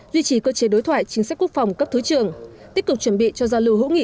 duy trì cơ chế đối thoại chính sách quốc phòng cấp thứ trường tích cực chuẩn bị cho giao lưu hữu nghị